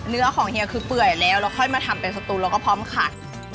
เนื้อของเฮียคือเปื่อยแล้วแล้วค่อยมาทำเป็นสตูนแล้วก็พร้อมขัด